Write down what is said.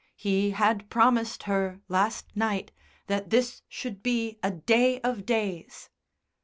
He had promised her last night that this should be a day of days.